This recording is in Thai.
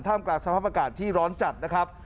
กลางสภาพอากาศที่ร้อนจัดนะครับ